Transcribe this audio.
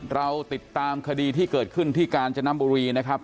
เราติดตามคดีที่เกิดขึ้นที่กาญจนบุรีนะครับ